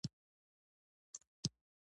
دغه کار د مالدارۍ د ډېرې ودې سبب شوی دی.